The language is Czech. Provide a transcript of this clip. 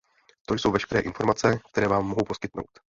To jsou veškeré informace, které vám mohu poskytnout.